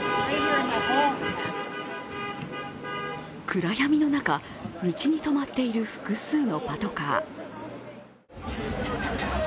暗闇の中、道に止まっている複数のパトカー。